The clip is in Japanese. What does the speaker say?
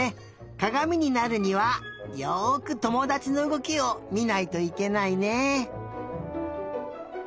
かがみになるにはよくともだちのうごきをみないといけないね。